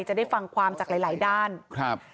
จะได้ฟังความจากหลายหลายด้านครับ